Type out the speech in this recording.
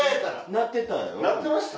鳴ってました？